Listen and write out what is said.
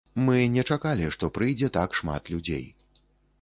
Мы не чакалі, што прыйдзе так шмат людзей.